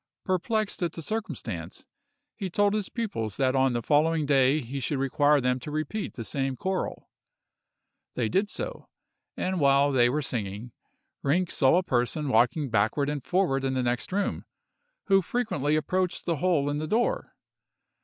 Perplexed at the circumstance, he told his pupils that on the following day he should require them to repeat the same choral. They did so; and while they were singing, Rinck saw a person walking backward and forward in the next room, who frequently approached the hole in the door.